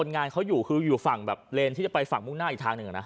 งานเขาอยู่คืออยู่ฝั่งแบบเลนที่จะไปฝั่งมุ่งหน้าอีกทางหนึ่ง